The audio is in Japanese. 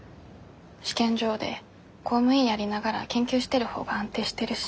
試験場で公務員やりながら研究してる方が安定してるし。